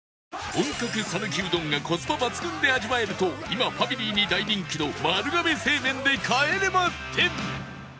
本格讃岐うどんがコスパ抜群で味わえると今ファミリーに大人気の丸亀製麺で帰れま １０！